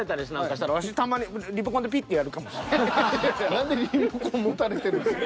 何でリモコン持たれてるんですか。